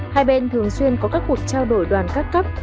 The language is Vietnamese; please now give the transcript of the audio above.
hai bên thường xuyên có các cuộc trao đổi đoàn các cấp